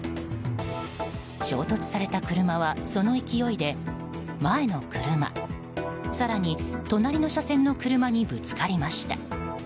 衝突された車は、その勢いで前の車、更に隣の車線の車にぶつかりました。